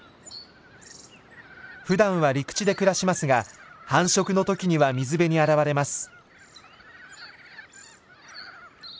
ふだんは陸地で暮らしますが繁殖の時には水辺に現れます。